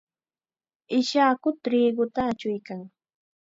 Ishaku triquta achuykan.